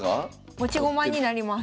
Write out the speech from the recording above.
持ち駒になります。